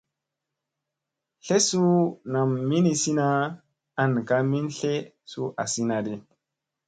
Tle suu nam minisina an ka min tle suu asinadi.